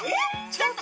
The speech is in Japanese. ちょっと！